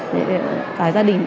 để cả gia đình mạnh khỏe